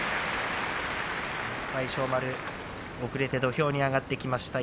大翔丸、遅れて土俵に上がってきました。